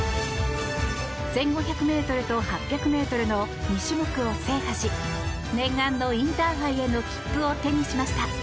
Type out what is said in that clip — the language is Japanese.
１５００ｍと８００ｍの２種目を制覇し念願のインターハイへの切符を手にしました。